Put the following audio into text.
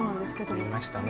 やりましたね。